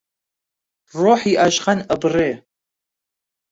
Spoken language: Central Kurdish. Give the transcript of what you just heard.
ڕۆحی عاشقان ئەبڕێ